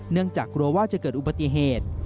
เนื่องจากกลัวว่าจะเกิดอุปติเหตุ